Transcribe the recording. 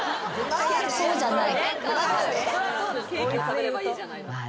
そうじゃない。